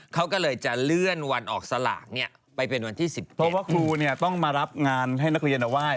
เขาก็เลยจะเลื่อนวันออกสลากเนี่ยไปเป็นวันที่๑๖เพราะว่าครูต้องมารับงานให้นักเรียนเอาไหว้